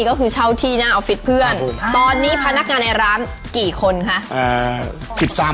ก็คือเช่าที่หน้าออฟฟิศเพื่อนตอนนี้พนักงานในร้านกี่คนคะ